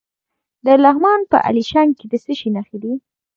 د لغمان په الیشنګ کې د څه شي نښې دي؟